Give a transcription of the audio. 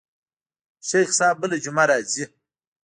شيخ صاحب بله جمعه راځي.